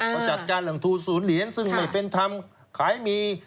ก็จัดการเรื่องทูลศูนย์เหรียญซึ่งไม่เป็นธรรมขายมี